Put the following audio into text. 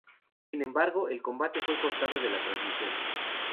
Sin embargo, el combate fue cortado de la transmisión.